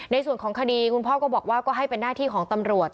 ในส่วนของคดีคุณพ่อก็บอกว่าก็ให้เป็นหน้าที่ของตำรวจ